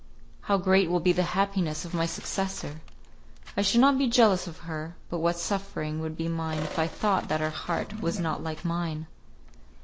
How great will be the happiness of my successor! I should not be jealous of her, but what suffering would be mine if I thought that her heart was not like mine!"